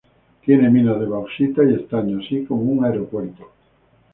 Tiene minas de bauxita y estaño, así como un aeropuerto.